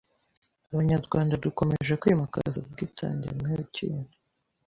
Ebenyerwende dukomeje kwimekeze ubwitenge nte kintu